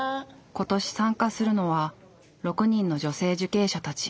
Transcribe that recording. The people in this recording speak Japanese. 今年参加するのは６人の女性受刑者たち。